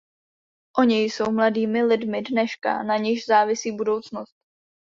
Oni jsou mladými lidmi dneška, na nichž závisí budoucnost.